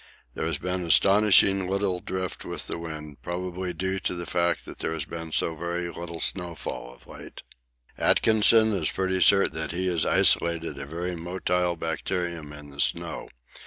There has been astonishingly little drift with the wind, probably due to the fact that there has been so very little snowfall of late. Atkinson is pretty certain that he has isolated a very motile bacterium in the snow.